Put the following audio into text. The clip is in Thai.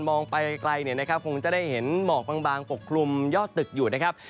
มองไปไกลคงจะได้เห็นหมอกบางปกครุมย่อตึกอยู่นะครับ